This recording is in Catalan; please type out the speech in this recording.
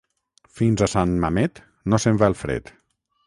Fins a Sant Mamet no se'n va el fred.